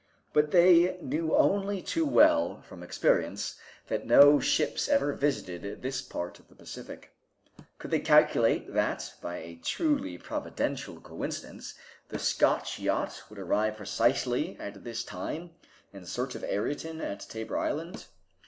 But they knew only too well from experience that no ships ever visited this part of the Pacific. Could they calculate that, by a truly providential coincidence, the Scotch yacht would arrive precisely at this time in search of Ayrton at Tabor Island?